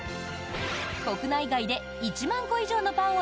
国内外で１万個以上のパンを